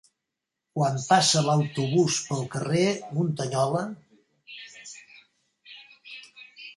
Quan passa l'autobús pel carrer Muntanyola?